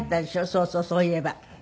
そうそうそういえば。